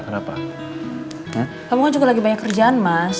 kamu kan juga lagi banyak kerjaan mas